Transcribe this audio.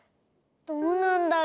どうなんだろ？